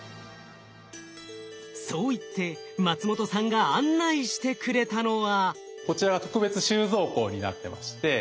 そう言って松本さんが案内してくれたのは。